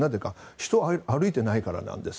人が歩いていないからなんです。